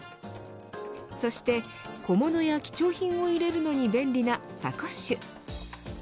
そして小物や貴重品を入れるのに便利なサコッシュ。